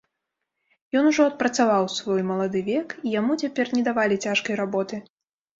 Ён ужо адпрацаваў свой малады век, і яму цяпер не давалі цяжкай работы.